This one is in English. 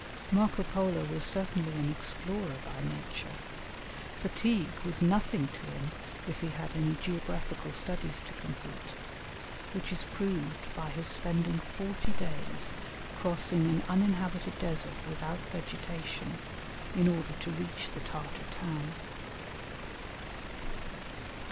Marco Polo was certainly an explorer by nature; fatigue was nothing to him if he had any geographical studies to complete, which is proved by his spending forty days crossing an uninhabited desert without vegetation, in order to reach the Tartar town.